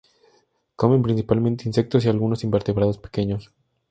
Comen principalmente insectos y algunos invertebrados pequeños.